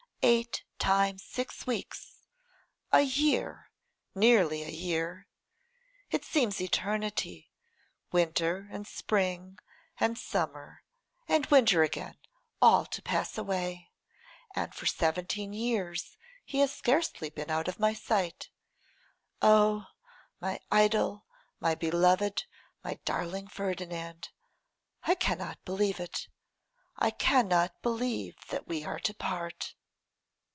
eight times six weeks; a year, nearly a year! It seems eternity. Winter, and spring, and summer, and winter again, all to pass away. And for seventeen years he has scarcely been out of my sight. Oh! my idol, my beloved, my darling Ferdinand, I cannot believe it; I cannot believe that we are to part.